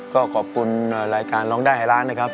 ก็ขอบคุณรายการร้องได้ให้ร้านนะครับ